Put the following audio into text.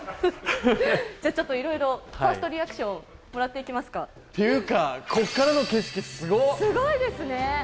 じゃちょっといろいろファーストリアクションもらっていきますかていうかすごいですね！